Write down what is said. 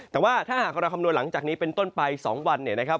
แต่ว่าถ้าหากเราคำนวณหลังจากนี้เป็นต้นไป๒วันเนี่ยนะครับ